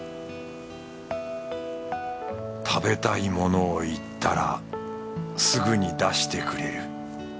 食べたいものを言ったらすぐに出してくれる。